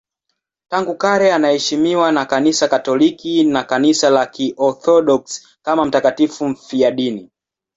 Tangu kale anaheshimiwa na Kanisa Katoliki na Kanisa la Kiorthodoksi kama mtakatifu mfiadini.